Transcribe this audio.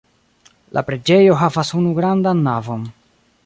La preĝejo havas unu grandan navon.